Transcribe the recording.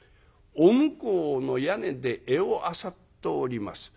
お向こうの屋根で餌をあさっております。